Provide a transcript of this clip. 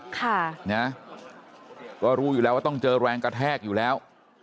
ค่ะนะก็รู้อยู่แล้วว่าต้องเจอแรงกระแทกอยู่แล้ว